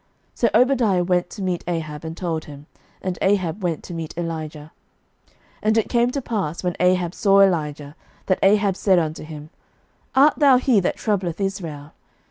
11:018:016 So Obadiah went to meet Ahab, and told him: and Ahab went to meet Elijah. 11:018:017 And it came to pass, when Ahab saw Elijah, that Ahab said unto him, Art thou he that troubleth Israel?